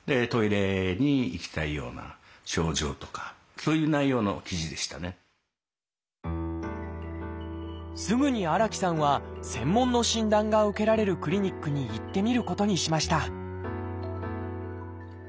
私が悩んでるすぐに荒木さんは専門の診断が受けられるクリニックに行ってみることにしました